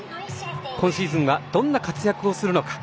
今シーズンはどんな活躍をするのか。